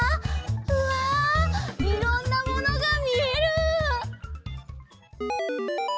うわいろんなものがみえる！